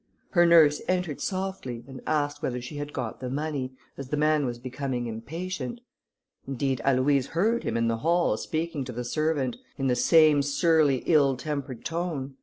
Her nurse entered softly, and asked whether she had got the money, as the man was becoming impatient. Indeed Aloïse heard him in the hall speaking to the servant, in the same surly ill tempered tone.